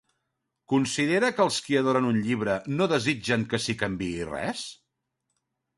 Considera que els qui adoren un llibre, no desitgen que s'hi canviï res?